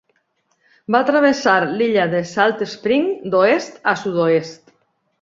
Va travessar l'illa de Salt Spring d'oest a sud-oest.